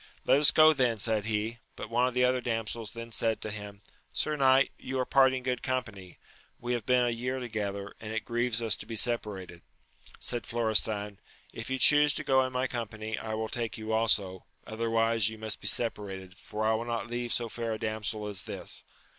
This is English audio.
Let us go then ! said he ; but one of the other damsels then said to him. Sir knight, you are parting good company ; we have been a year together, and it grieves us to be separated. Said Florestan, If you chuse to go in my company I wiU take you also, otherwise you must be separated, for I will not leave so fair a damsel as this.